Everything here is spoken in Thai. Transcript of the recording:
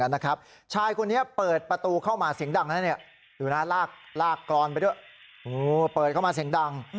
ระเบิดเข้ามาเสียงดัง